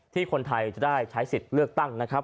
คนไทยจะได้ใช้สิทธิ์เลือกตั้งนะครับ